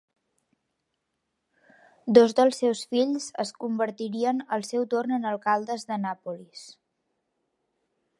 Dos dels seus fills es convertirien al seu torn en alcaldes d'Annapolis.